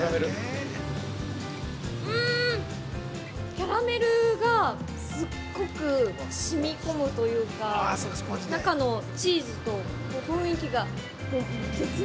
キャラメルが、すっごくしみこむというか中のチーズと雰囲気が絶妙？